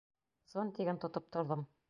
Зонтигын тотоп торҙом!